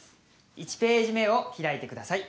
１ページ目を開いてください。